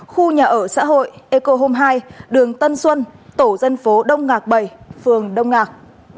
khu nhà ở xã hội eco home hai đường tân xuân tổ dân phố đông ngạc bảy phường đông ngạc